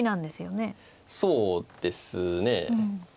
そうですね。